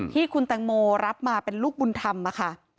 ที่คุณแตงโมรับมาเป็นลูกบุญธรรมค่ะ